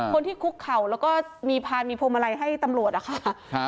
คนที่คุกเข่าแล้วก็มีพานมีพวงมาลัยให้ตำรวจนะคะ